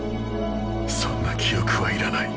そんな記憶はいらない。